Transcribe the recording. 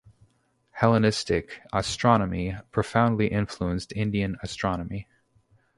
Hellenistic astronomy profoundly influenced Indian astronomy.